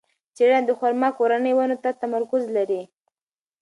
څېړنه د خورما کورنۍ ونو ته تمرکز لري.